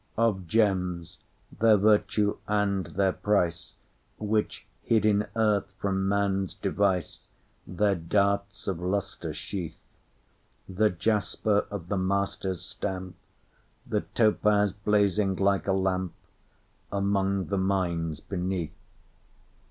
Of gems—their virtue and their price, Which, hid in earth from man's device, Their darts of lustre sheath; The jasper of the master's stamp, The topaz blazing like a lamp, Among the mines beneath.